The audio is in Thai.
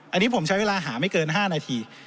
อันนี้ผมใช้เวลาหาไม่เกิน๕นาที